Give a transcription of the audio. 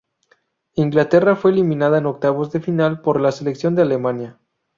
Inglaterra fue eliminada en octavos de final por la Selección de Alemania.